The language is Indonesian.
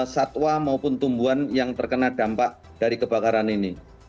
satwa maupun tumbuhan yang terkena dampak dari kebakaran ini